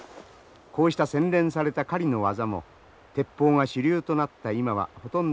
こうした洗練された狩りの技も鉄砲が主流となった今はほとんど行われません。